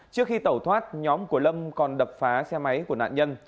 trước khi tẩu thoát nhóm của lâm còn đập phá xe máy của nạn nhân